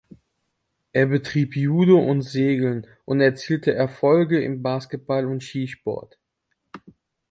Er betrieb Judo und Segeln und erzielte Erfolge im Basketball und Skisport.